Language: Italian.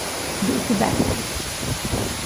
Bing Bang